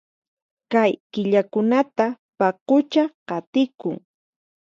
Kay killakunata paqucha qatikun